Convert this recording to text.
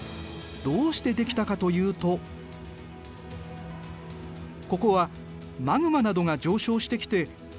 どうしてできたかというとここはマグマなどが上昇してきてプレートを作っている場所。